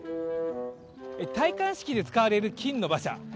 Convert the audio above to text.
戴冠式で使われる金の馬車。